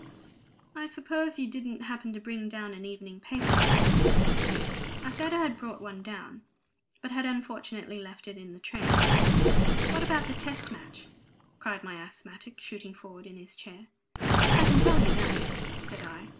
I suppose you didn't happen to bring down an evening paper?" I said I had brought one, but had unfortunately left it in the train. "What about the Test Match?" cried my asthmatic, shooting forward in his chair. "I can tell you that," said I.